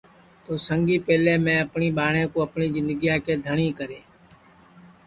تو سارے سے آگے میں اپٹؔی ٻہاٹؔیں کُو اُن کی اپٹؔی جِندگیا کے ملک ٹھائے